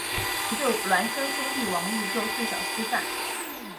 一对孪生兄弟王利就自小失散。